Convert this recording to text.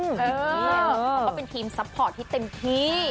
เขาก็เป็นทีมซัพพอร์ตที่เต็มที่